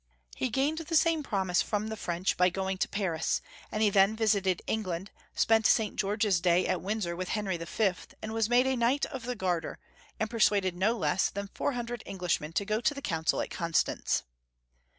He gained the same promise from the French by going to Paris, and he then visited England, spent St. George's day at Windsor with Henry V., and was made a Knight of the Garter, and persuaded no less than 400 En glishmen to go to the Council at Constance.